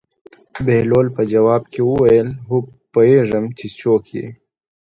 بهلول په ځواب کې وویل: هو پوهېږم چې څوک یې.